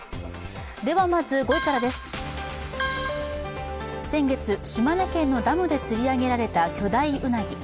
ではまず５位からです、先月、島根県のダムで釣り上げられた巨大ウナギ。